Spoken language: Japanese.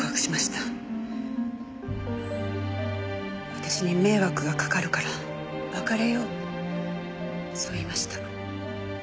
私に迷惑がかかるから別れようそう言いました。